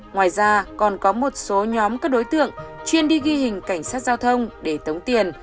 ngoài ra còn có một số nhóm các đối tượng chuyên đi ghi hình cảnh sát giao thông để tống tiền